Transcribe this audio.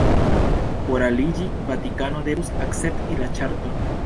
Por aliĝi, Vatikano devus akcepti la ĉarton.